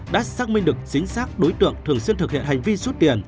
đã xác minh được chính xác đối tượng thường xuyên thực hiện hành vi rút tiền